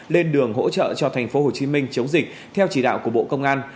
lên đường hỗ trợ cho thành phố hồ chí minh chống dịch theo chỉ đạo của bộ công an